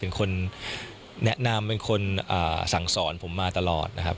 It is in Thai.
เป็นคนแนะนำเป็นคนสั่งสอนผมมาตลอดนะครับ